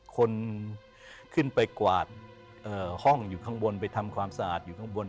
คนขึ้นไปกวาดห้องอยู่ข้างบนไปทำความสะอาดอยู่ข้างบน